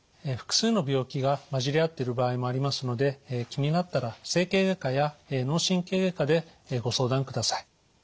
複数の病気が交じり合ってる場合もありますので気になったら整形外科や脳神経外科でご相談ください。